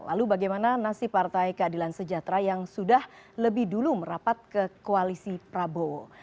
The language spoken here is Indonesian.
lalu bagaimana nasib partai keadilan sejahtera yang sudah lebih dulu merapat ke koalisi prabowo